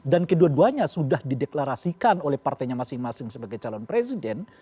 dan kedua duanya sudah dideklarasikan oleh partainya masing masing sebagai calon presiden